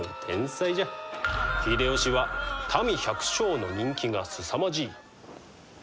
秀吉は民百姓の人気がすさまじい。